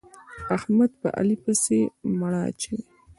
احمد په علي پسې مړه اچوي.